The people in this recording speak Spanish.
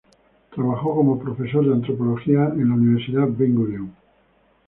Trabajó como profesor de antropología en la Universidad Ben-Gurion.